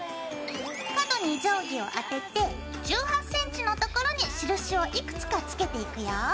角に定規を当てて１８ｃｍのところに印をいくつか付けていくよ。